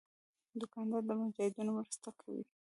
دوکاندار د مجاهدینو مرسته کوي.